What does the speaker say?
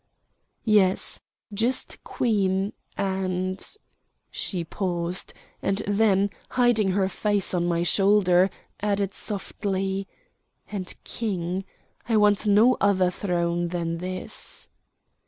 "Yes. Just Queen and " she paused, and then, hiding her face on my shoulder, added softly, "and King. I want no other throne than this."